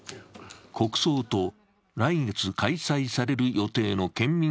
国葬と来月開催される予定の県民